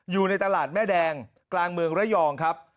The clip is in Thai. อยู่ในตลาดแม่แดงกลางเมืองระยองครับ